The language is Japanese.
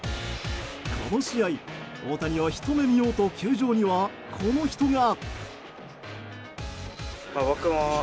この試合、大谷をひと目見ようと球場にはこの人が。